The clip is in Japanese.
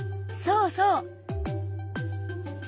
そうそう。